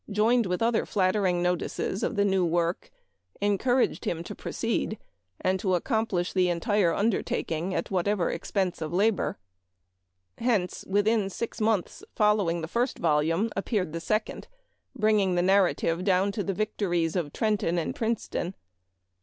287 joined with other flattering notices of the new work, encouraged him to proceed, and to accomplish the entire undertaking at what expense of labor. Hence, within six months following the first volume appeared the second, bringing the nar rative down to the victories of Trenton and Princeton.